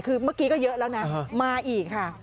คือเมื่อกี้ก็เยอะแล้วนะมาอีกค่ะ